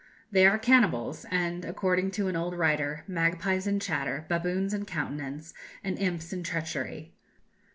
They are cannibals, and, according to an old writer, "magpies in chatter, baboons in countenance, and imps in treachery."